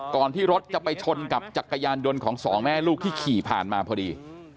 ที่รถจะไปชนกับจักรยานยนต์ของสองแม่ลูกที่ขี่ผ่านมาพอดี